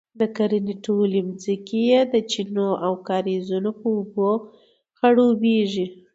د کرنې ټولې ځمکې یې د چینو او کاریزونو په اوبو خړوبیږي،